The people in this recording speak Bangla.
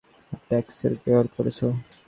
একটা অ্যাক্সেস কী ব্যবহার করেছে।